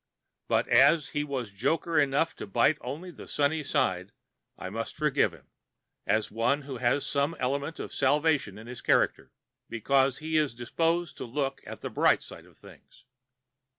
But as he was[Pg 44] joker enough to bite only its sunny side, I must forgive him, as one who has some element of salvation in his character, because he is disposed to look at the bright side of things.